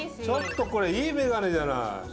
ちょっとこれいいメガネじゃない。